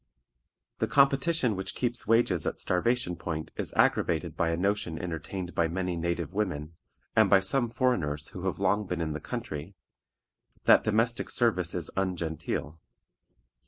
The competition which keeps wages at starvation point is aggravated by a notion entertained by many native women, and by some foreigners who have been long in the country, that domestic service is ungenteel.